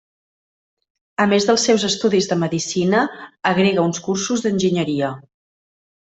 A més dels seus estudis de medicina, agrega uns cursos d'enginyeria.